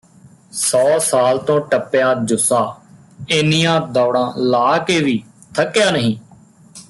ਸੌ ਸਾਲ ਤੋਂ ਟੱਪਿਆ ਜੁੱਸਾ ਏਨੀਆਂ ਦੌੜਾਂ ਲਾ ਕੇ ਵੀ ਥੱਕਿਆ ਨਹੀਂ